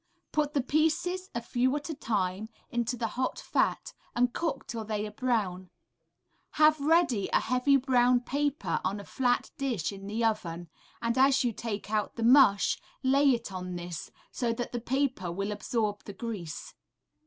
Put the pieces, a few at a time, into the hot fat, and cook till they are brown; have ready a heavy brown paper on a flat dish in the oven, and as you take out the mush lay it on this, so that the paper will absorb the grease.